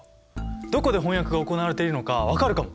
どこで翻訳が行われているのか分かるかも！